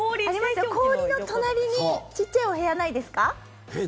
氷の隣にちっちゃいお部屋ないですか？